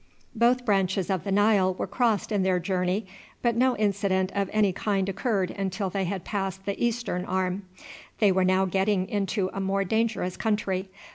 Both branches of the Nile were crossed in their journey, but no incident of any kind occurred until they had passed the eastern arm. They were now getting into a more dangerous country.